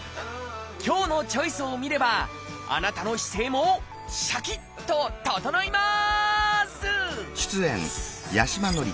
今日の「チョイス」を見ればあなたの姿勢もシャキッと整います！